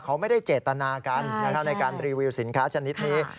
เขาไม่ได้เจตนากันในการรีวิวสินค้าชนิดนี้